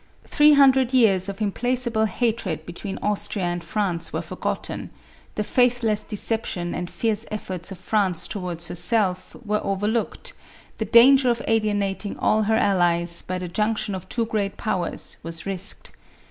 Three hundred years of implacable hatred between Austria and France were forgotten ; the faithless deception and fierce efforts of France towards herself, were over looked ; the danger of alienating all her allies, by the junction of two great powers, was risked.